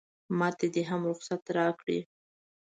ماته دې هم رخصت راکړي.